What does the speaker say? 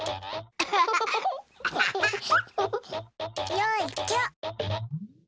よいちょ。